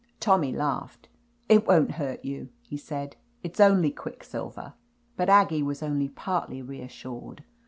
Tommy laughed. "It won't hurt you," he said. "It's only quicksilver." But Aggie was only partly reassured.